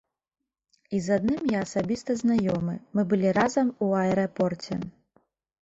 І з адным я асабіста знаёмы, мы былі разам у аэрапорце.